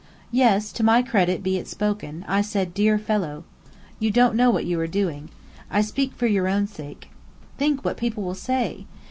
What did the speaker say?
(Yes, to my credit be it spoken, I said "dear fellow!") "You don't know what you are doing. I speak for your own sake. Think what people will say!